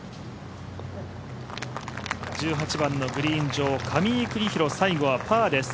１８番のグリーン上、上井邦裕、パーです。